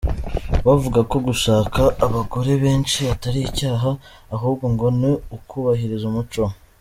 We avuga ko gushaka abagore benshi atari icyaha ahubwo ngo ni ukubahiriza umuco.